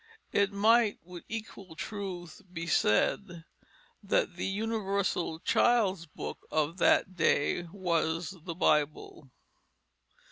It might with equal truth be said that the universal child's book of that day was the Bible.